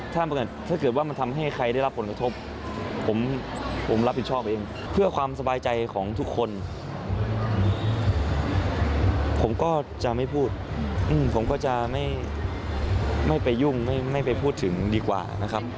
ถ้าเกิดว่ามันทำให้ใครได้รับผลกระทบผมรับผิดชอบเองเพื่อความสบายใจของทุกคนผมก็จะไม่พูดผมก็จะไม่ไปยุ่งไม่ไปพูดถึงดีกว่านะครับ